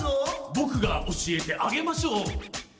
「ぼくがおしえてあげましょう」